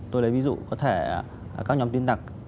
tôi lấy ví dụ có thể các nhóm tin đặc